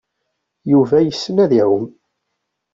Yuba yessen ad iɛum.